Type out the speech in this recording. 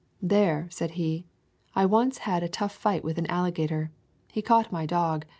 "There," said he, "I once had a tough fight with an alli gator. He caught my dog.